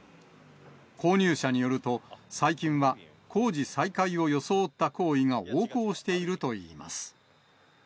購入者によると、最近は工事再開を装った行為が横行しているといいます。